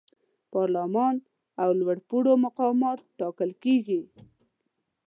پارلمان او لوړپوړي مقامات ټاکل کیږي.